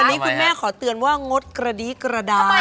อันนี้คุณแม่ขอเตือนว่างดกระดี้กระดาย